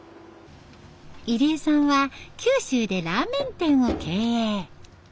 入江さんは九州でラーメン店を経営。